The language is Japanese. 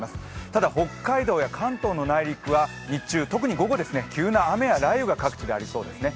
ただ北海道や関東の内陸は、日中、特に平野部は急な雨や雷雨が各地でありそうですね。